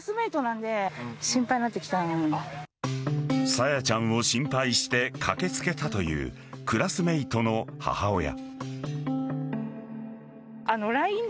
朝芽ちゃんを心配して駆けつけたというクラスメイトの母親。